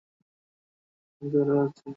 শুনতে ভালোই লাগছে!